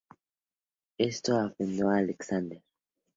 Esto enfadó a Alexander.